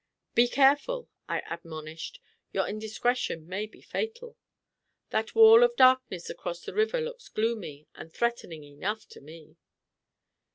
"Be careful," I admonished; "your indiscretion may be fatal. That wall of darkness across the river looks gloomy and threatening enough to me."